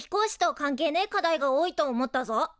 関係ねえ課題が多いと思ったぞ。